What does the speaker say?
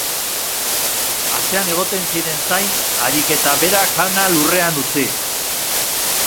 Atzean egoten ziren zain, harik eta berak jana lurrean utzi.